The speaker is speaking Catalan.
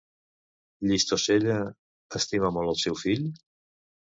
Llistosella estima molt al seu fill?